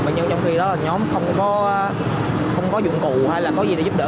nhưng trong khi đó là nhóm không có dụng cụ hay là có gì để giúp đỡ